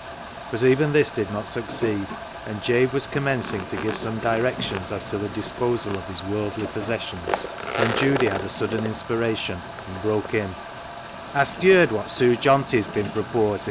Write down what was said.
But even this did not succeed, and Jabe was commencing to give some directions as to the disposal of his worldly possessions, "THE ZEAL OF THINE HOUSE" 331 when Judy had a sudden inspiration, and broke in —" Hastyerd wotSueJohnty's bin propoasin'?"